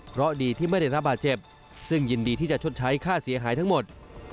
เพราะดีที่ไม่ได้รับบาดเจ็บซึ่งยินดีที่จะชดใช้ค่าเสียหายทั้งหมด